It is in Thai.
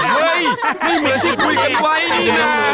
เฮ้ยไม่เหมือนที่คุยกันไว้นี่นะ